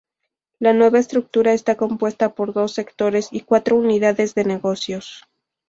La nueva estructura está compuesta por dos sectores y cuatro unidades de negocios.